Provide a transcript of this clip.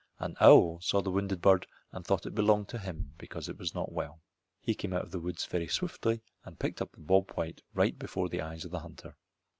An owl saw the wounded bird and thought it belonged to him because it was not well. He came out of the woods very swiftly and picked up the bob white right before the eyes of the hunter.